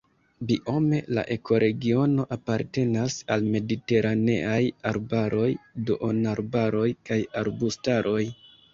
Biome la ekoregiono apartenas al mediteraneaj arbaroj, duonarbaroj kaj arbustaroj.